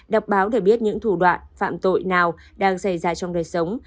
đọc báo để biết những thủ đoạn phạm tội nào đang xảy ra trong đời sống